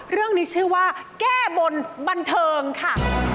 เรื่องนี้ชื่อว่าแก้บนบันเทิงค่ะ